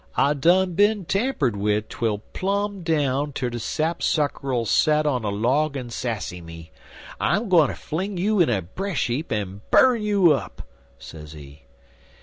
I done bin tampered wid twel plum' down ter de sap sucker'll set on a log en sassy me. I'm gwineter fling you in a bresh heap en burn you up,' sezee.